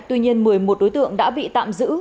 tuy nhiên một mươi một đối tượng đã bị tạm giữ